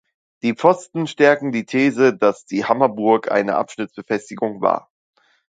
Die Pfosten stärken die These, dass die Hammaburg eine Abschnittsbefestigung war.